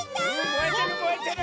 もえてるもえてる！